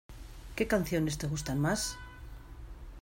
¿Qué canciones te gustan más?